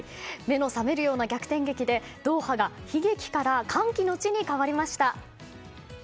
目の覚めるような逆転劇でドーハが悲劇の地から歓喜の地に変わりました。